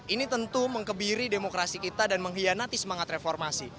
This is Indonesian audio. ini tentu mengebiri demokrasi kita dan mengkhianati semangat reformasi